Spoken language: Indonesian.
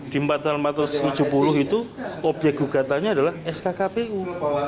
di pasal empat ratus tujuh puluh itu objek gugatannya adalah sk kpu